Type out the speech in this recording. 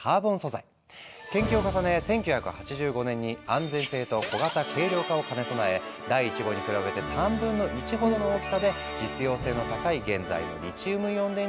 研究を重ね１９８５年に安全性と小型・軽量化を兼ね備え第１号に比べて３分の１ほどの大きさで実用性の高い現在のリチウムイオン電池を誕生させた。